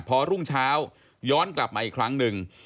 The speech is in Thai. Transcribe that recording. พอรุ่งเช้าย้อนกลับมาอีกครั้งหนึ่ง